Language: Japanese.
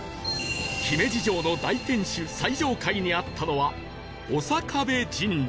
姫路城の大天守最上階にあったのは長壁神社